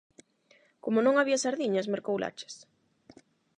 Como non había sardiñas mercou lachas.